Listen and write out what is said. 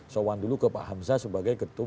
sowan dulu ke pak hamzah sebagai ketum